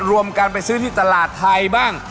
รวมกันไปซื้อที่ตลาดไทยบ้าง